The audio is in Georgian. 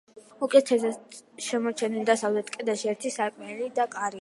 უკეთესად შემორჩენილ დასავლეთ კედელში ერთი სარკმელი და კარია.